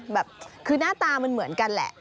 แบบคือหน้าตามันเหมือนกันแหละ